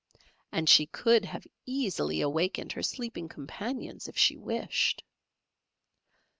And she could have easily awakened her sleeping companions if she wished.